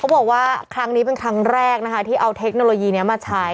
บอกว่าครั้งนี้เป็นครั้งแรกนะคะที่เอาเทคโนโลยีนี้มาใช้